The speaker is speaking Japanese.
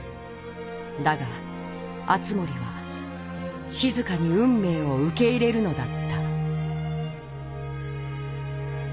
だが敦盛はしずかにうんめいをうけ入れるのだった。